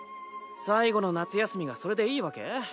最後の夏休みがそれでいいわけ？